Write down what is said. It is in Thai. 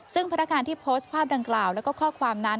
ซึ่งพนักงานที่โพสต์ภาพดังกล่าวแล้วก็ข้อความนั้น